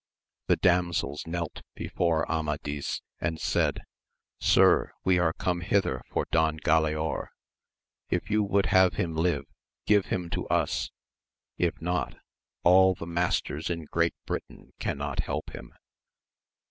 The damsels knelt before Amadis and said. Sir, we are come hither for Don Galaor, if you would have him live, give him to us : if not, all the masters in Great Britain cannot help him.